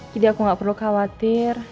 jadi aku gak perlu khawatir